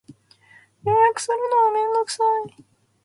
予約するのはめんどくさい